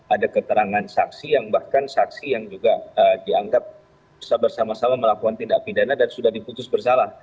ada keterangan saksi yang bahkan saksi yang juga dianggap bisa bersama sama melakukan tindak pidana dan sudah diputus bersalah